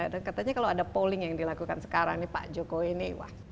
dan katanya kalau ada polling yang dilakukan sekarang nih pak jokowi ini